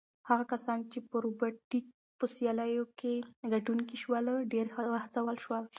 هغه کسان چې د روبوټیک په سیالیو کې ګټونکي شول ډېر وهڅول شول.